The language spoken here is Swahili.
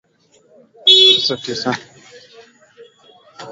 tisa tisini na moja akajiunga na chuo cha ualimu Mtwara akaendelea na masomo ya